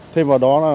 thêm vào đó